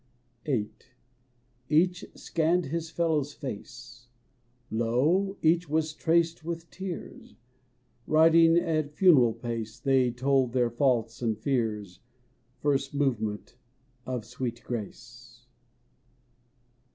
ii8 vm. Each scanned his fellow's face: Lo, each was traced with tears ; Riding at funeral pace They told their faults and fears— First movement of sweet grace.